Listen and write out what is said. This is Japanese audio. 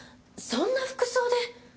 そんな服装で。